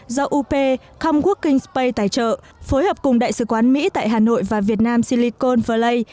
do up come working space tài trợ phối hợp cùng đại sứ quán mỹ tại hà nội và việt nam silicon valley